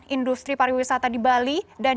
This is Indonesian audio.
industri pariwisata di bali dan